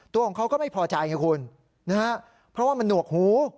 ตัวของเขาก็ไม่พอใจไงคุณนะฮะเพราะว่ามันหนวกหู